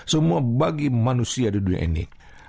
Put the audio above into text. semua bagi manusia di dunia ini